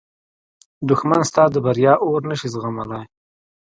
دښمن ستا د بریا اور نه شي زغملی